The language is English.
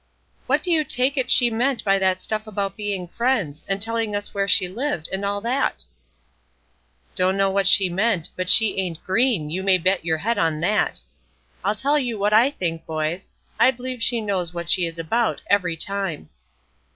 "What do you take it she meant by that stuff about being friends, and telling us where she lived, and all that?" "Dunno what she meant; but she ain't green, you may bet your head on that. I'll tell you what I think, boys: I b'lieve she knows what she is about, every time."